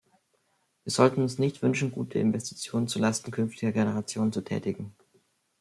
Wir sollten uns nicht wünschen, gute Investitionen zu Lasten künftiger Generationen zu tätigen.